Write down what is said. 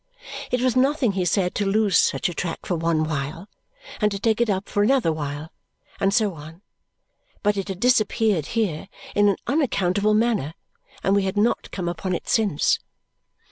It was nothing, he said, to lose such a track for one while, and to take it up for another while, and so on; but it had disappeared here in an unaccountable manner, and we had not come upon it since.